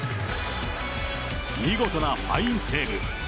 見事なファインセーブ。